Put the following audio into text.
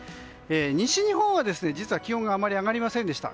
西日本は実は気温があまり上がりませんでした。